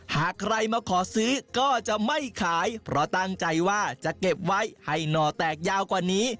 หากใครมาขอซื้อก็จะไม่ขายเพราะตั้งใจว่าจะเก็บไว้ให้หน่อแตกยาวกว่านี้